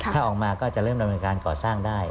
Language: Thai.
ถ้าออกมาก็จะเริ่มดำเนินการก่อสร้างได้